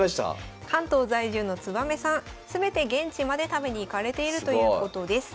関東在住のつばめさん全て現地まで食べに行かれているということです。